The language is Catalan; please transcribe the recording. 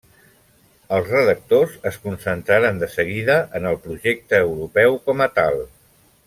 Els redactors es concentraren de seguida en el projecte europeu com a tal.